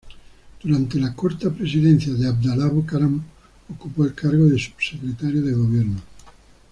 Durante la corta presidencia de Abdalá Bucaram ocupó el cargo de subsecretario de gobierno.